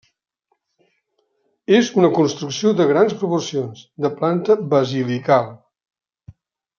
És una construcció de grans proporcions, de planta basilical.